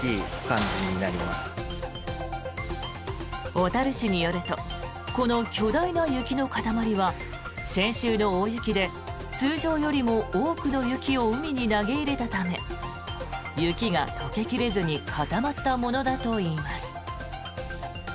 小樽市によるとこの巨大な雪の塊は先週の大雪で通常よりも多くの雪を海に投げ入れたため雪が解け切れずに固まったものだといいます。